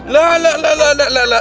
luh luh lhah lah luh luh lah